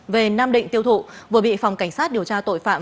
về nam định tiêu thụ vừa bị phòng cảnh sát điều tra tội phạm